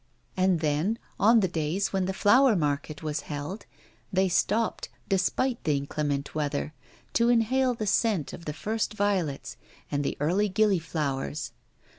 And then, on the days when the flower market was held, they stopped, despite the inclement weather, to inhale the scent of the first violets and the early gillyflowers.